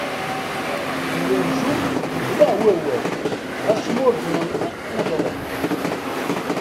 Deg ugerjum yebleɛ wawal, ɣas ma ur d-nenṭiq neḍlem.